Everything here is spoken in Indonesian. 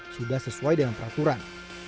sudah sesuai dengan peraturan